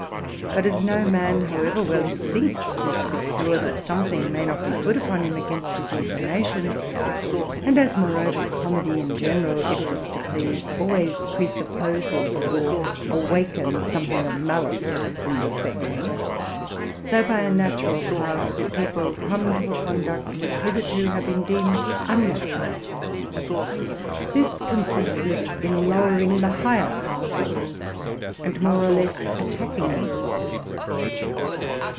But as no man, of however good a disposition, is safe having something put upon him contrary to his inclination, and as, moreover, comedy in general, if 152 TRUTH AND FICTION it is to please, always presupposes or awakens something of malice in the spectator; so, by a natural path, did people come to a conduct which hitherto had been deemed unnatu ral: this consisted in lowering the higher classes, and more or less attacking them.